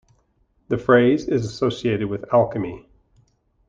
The phrase is associated with alchemy.